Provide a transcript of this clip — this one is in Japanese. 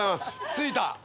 着いた。